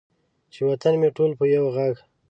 چې وطن مې ټول په یو ږغ،